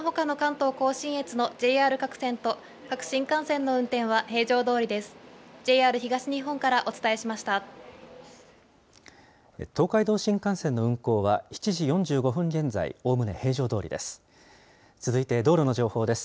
東海道新幹線の運行は７時４５分現在、おおむね平常どおりです。